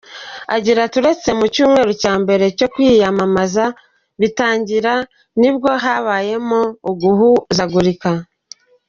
Agira ati “Uretse mu cyumweru cyambere cyo kwiyamamaza bitangira, nibwo habayemo uguhuzagurika.